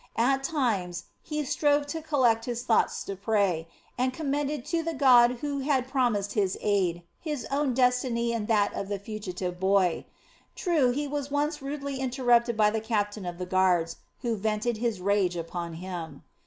At times he strove to collect his thoughts to pray, and commended to the God who had promised His aid, his own destiny and that of the fugitive boy. True, he was often rudely interrupted by the captain of the guards, who vented his rage upon him.